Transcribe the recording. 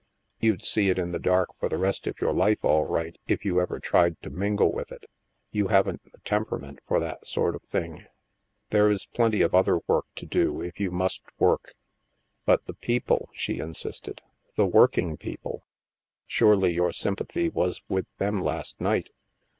" You'd see it in the dark for the rest of your life, all right, if you ever tried to mingle with it. You haven't the temperament for that sort of thing. There is plenty of other work to do, if you must work !"" But the people," she insisted, " the working people ? Surely your sympathy was with them last night?"